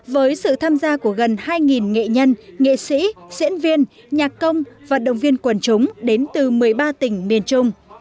với sự tham gia của gần hai nghệ nhân nghệ sĩ diễn viên nhạc công vận động viên quần chúng đến từ một mươi ba tỉnh miền trung